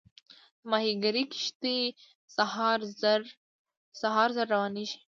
د ماهیګیري کښتۍ سهار زر روانېږي.